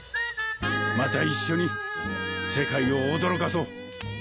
また一緒に世界を驚かそう。